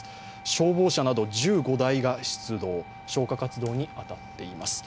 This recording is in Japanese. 消防車など１５台が出動消火活動に当たっています。